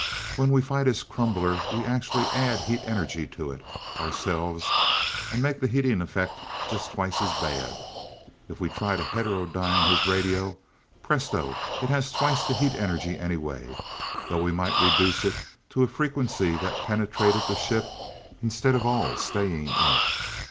When we fight his crumbler, we actually add heat energy to it, ourselves, and make the heating effect just twice as bad. If we try to heterodyne his radio presto it has twice the heat energy anyway, though we might reduce it to a frequency that penetrated the ship instead of all staying in it.